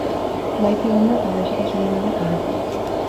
Maite ondo eta gaixotasunik gabe jaio zen.